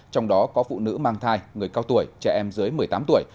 trong đó có phụ nữ mang thai người cao tuổi trẻ em dưới một mươi tám tuổi